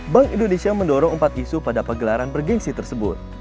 bank indonesia mendorong empat isu pada pegelaran bergensi tersebut